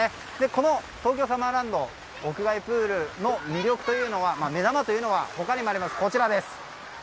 この東京サマーランド屋外プールの魅力目玉というのは他にもあります。